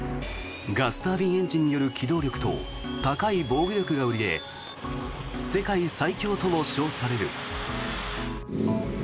ガスタービンエンジンによる機動力と高い防御力が売りで世界最強とも称される。